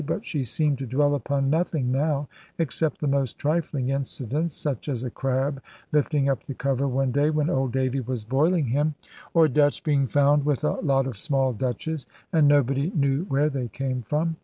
But she seemed to dwell upon nothing now, except the most trifling incidents, such as a crab lifting up the cover one day when Old Davy was boiling him, or "Dutch" being found with a lot of small Dutches, and nobody knew where they came from.